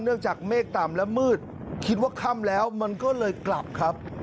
จากเมฆต่ำและมืดคิดว่าค่ำแล้วมันก็เลยกลับครับ